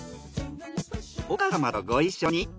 お母様とご一緒に。